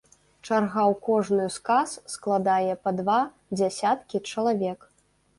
Чарга ў кожную з кас складае па два дзясяткі чалавек.